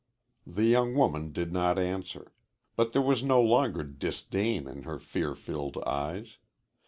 The young woman did not answer. But there was no longer disdain in her fear filled eyes.